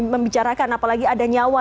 membicarakan apalagi ada nyawa